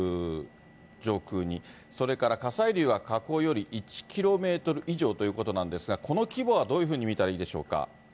上空に、それから火砕流は火口より１キロメートル以上ということなんですが、この規模はどういうふうに見たらいいでしょうか。